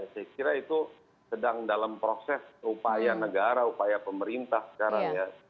saya kira itu sedang dalam proses upaya negara upaya pemerintah sekarang ya